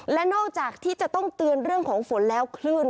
และนอกจากที่จะต้องเตือนเรื่องของฝนแล้วคลื่น